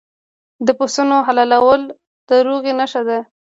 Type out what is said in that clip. د پسونو حلالول د روغې نښه ده.